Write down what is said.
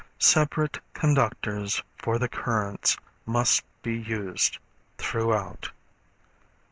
Separate conductors for the currents must be used throughout.